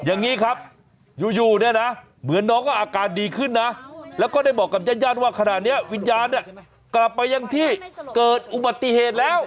อย่างนี้ครับอยู่เนี่ยนะเหมือนน้องก็อาการดีขึ้นนะแล้วก็ได้บอกกับญาติญาติว่าขณะนี้วิญญาณเนี่ยกลับไปยังที่เกิดอุบัติเหตุแล้ว